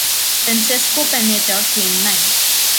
Francesco Panetta came ninth.